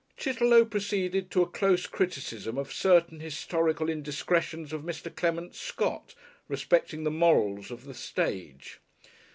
Chitterlow proceeded to a close criticism of certain historical indiscretions of Mr. Clement Scott respecting the morals of the stage.